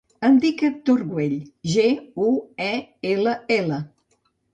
Em dic Hèctor Guell: ge, u, e, ela, ela.